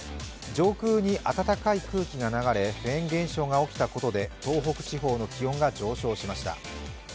上空に暖かい空気が流れ、フェーン現象が起きたことで東北地方の気温が上昇しました。